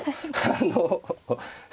あの。